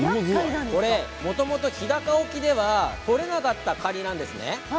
もともと日高沖では取れなかったカニなんですね。